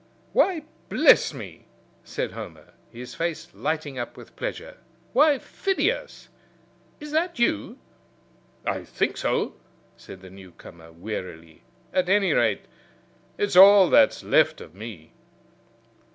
"Why, bless me!" said Homer, his face lighting up with pleasure. "Why, Phidias, is that you?" "I think so," said the new comer, wearily; "at any rate, it's all that's left of me."